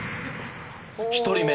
１人目。